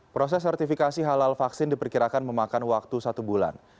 proses sertifikasi halal vaksin diperkirakan memakan waktu satu bulan